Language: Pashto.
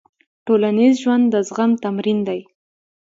ټولنیز ژوند د زغم تمرین دی.